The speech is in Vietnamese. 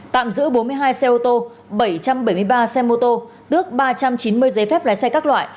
tạm giữ bốn mươi hai xe ô tô bảy trăm bảy mươi ba xe mô tô tước ba trăm chín mươi giấy phép lái xe các loại